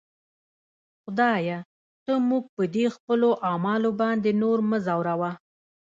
خدایه! ته موږ په دې خپلو اعمالو باندې نور مه ځوروه.